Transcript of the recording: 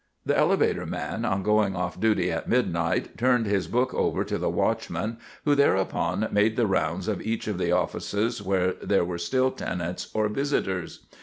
The elevator man, on going off duty at midnight, turned his book over to the watchman, who thereupon made the rounds of each of the offices where there were still tenants or visitors.